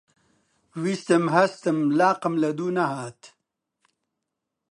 ویستم هەستم، لاقم لەدوو نەهات